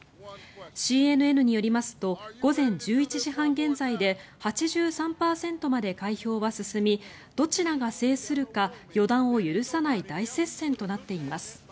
ＣＮＮによりますと午前１１時半現在で８３％まで開票は進みどちらが制するか予断を許さない大接戦となっています。